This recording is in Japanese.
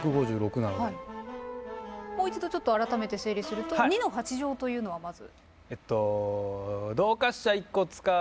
もう一度ちょっと改めて整理すると２の８乗というのはまず。